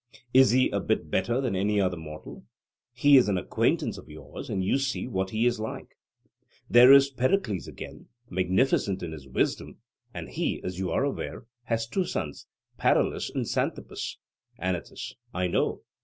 Is he a bit better than any other mortal? He is an acquaintance of yours, and you see what he is like. There is Pericles, again, magnificent in his wisdom; and he, as you are aware, had two sons, Paralus and Xanthippus. ANYTUS: I know.